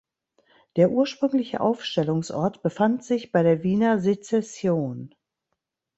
Der ursprüngliche Aufstellungsort befand sich bei der Wiener Secession.